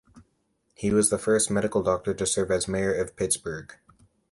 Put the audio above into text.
He was the first Medical Doctor to serve as mayor of Pittsburgh.